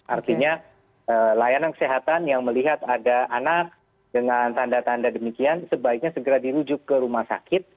artinya layanan kesehatan yang melihat ada anak dengan tanda tanda demikian sebaiknya segera dirujuk ke rumah sakit